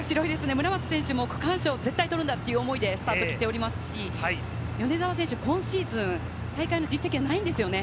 村松選手も絶対、区間賞を取るんだという気持ちでスタートを切っておりますし、米澤選手、今シーズン大会の実績がないんですよね。